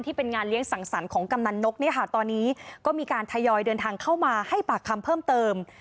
เป็นงานเลี้ยงสังสรรค์ของกำนันนกเนี่ยค่ะตอนนี้ก็มีการทยอยเดินทางเข้ามาให้ปากคำเพิ่มเติม